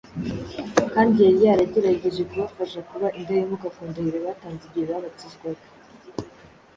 kandi yari yaragerageje kubafasha kuba indahemuka ku ndahiro batanze igihe babatizwaga.